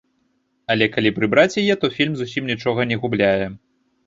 Але калі прыбраць яе, то фільм зусім нічога не губляе.